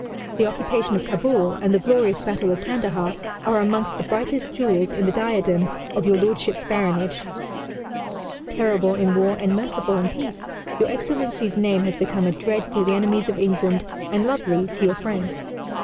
. The occupation of Kabul and the glorious battle of Kandahar are amongst the brightest jewels in the diadem of Your Lordship's Baronage. ... Terrible in war and merciful in peace, Your Excellency's name has become a dread to the enemies of England and lovely to your friends."